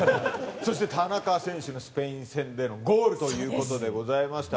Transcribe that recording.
そして田中選手のスペイン戦でのゴールということでした。